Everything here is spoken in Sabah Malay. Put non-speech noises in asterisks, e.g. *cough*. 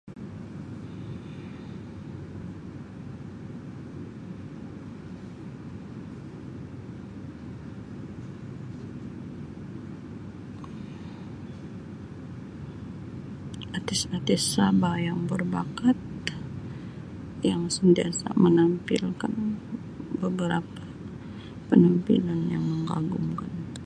*noise* Artis-artis Sabah yang berbakat yang sentiasa menang *unintelligible* beberapa penampilan yang mengagumkan.